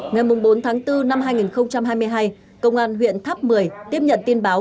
ngày bốn tháng bốn năm hai nghìn hai mươi hai công an huyện tháp một mươi tiếp nhận tin báo